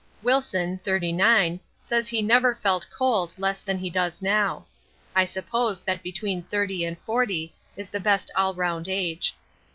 Wilson (39) says he never felt cold less than he does now; I suppose that between 30 and 40 is the best all round age.